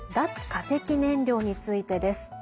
化石燃料についてです。